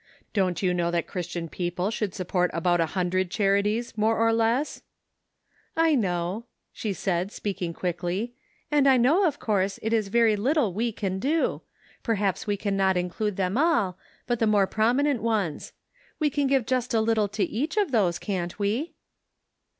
" Don't you know that Chris tian people should support about a hundred charities, more or less ?"" I know," she said, speaking quickly ;" and I know of course, it is very little we can do ; perhaps we can not include them all, but the more prominent ones. We can give just a little to each of those, can't we?"